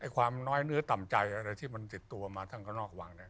ความน้อยเนื้อต่ำใจอะไรที่มันติดตัวมาท่านก็นอกวังนะ